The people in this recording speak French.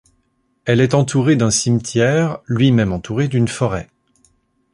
Elle est entourée d'un cimetière, lui-même entouré d'une forêt.